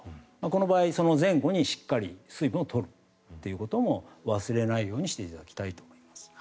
この場合、その前後にしっかり水分を取るということも忘れないようにしていただきたいと思います。